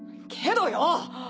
けどよ！